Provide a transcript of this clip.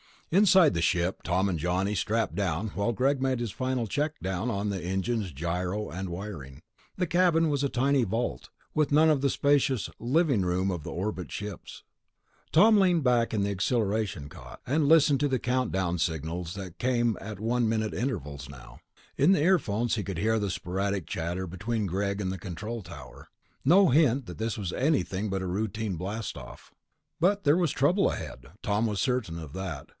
Inside the ship Tom and Johnny strapped down while Greg made his final check down on the engines, gyros and wiring. The cabin was a tiny vault, with none of the spacious "living room" of the orbit ships. Tom leaned back in the accelleration cot, and listened to the count down signals that came at one minute intervals now. In the earphones he could hear the sporadic chatter between Greg and the control tower. No hint that this was anything but a routine blastoff.... But there was trouble ahead, Tom was certain of that.